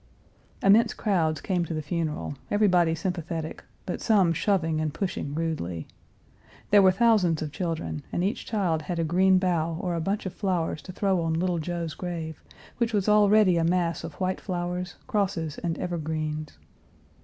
Immense crowds came to the funeral, everybody sympathetic, but some shoving and pushing rudely. There were thousands of children, and each child had a green bough or a bunch of flowers to throw on little Joe's grave, which was already a mass of white flowers, crosses, and evergreens.